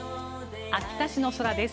秋田市の空です。